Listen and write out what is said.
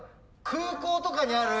空港とかにある。